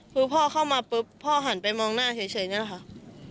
คือพ่อเข้ามาปุ๊บพ่อหันไปมองหน้าเฉยนี่แหละค่ะ